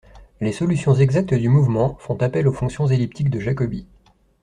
Les solutions exactes du mouvement font appel aux fonctions elliptiques de Jacobi.